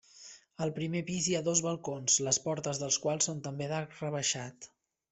Al primer pis hi ha dos balcons, les portes dels quals són també d'arc rebaixat.